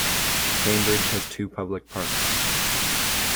Cambridge has two public parks.